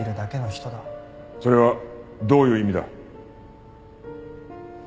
それはどういう意味だ？